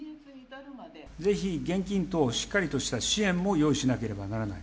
ぜひ、現金等しっかりとした支援も用意しなければならない。